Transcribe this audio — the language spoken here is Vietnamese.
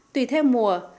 tùy theo mùa